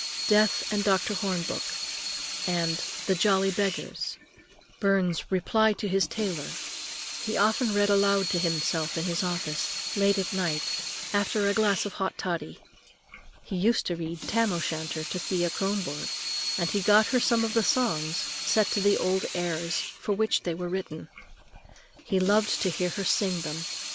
"Death and Dr. Hornbook" and "The Jolly Beggars," Burns's "Reply to his Tailor," he often read aloud to himself in his office, late at night, after a glass of hot toddy. He used to read "Tam o'Shanter" to Thea Kronborg, and he got her some of the songs, set to the old airs for which they were written. He loved to hear her sing them.